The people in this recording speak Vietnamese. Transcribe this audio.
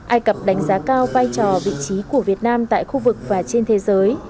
ai cập đánh giá cao vai trò vị trí của việt nam tại khu vực và trên thế giới